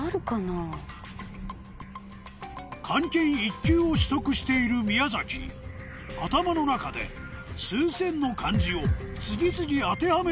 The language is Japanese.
漢検１級を取得している宮崎頭の中で数千の漢字を次々当てはめて行くが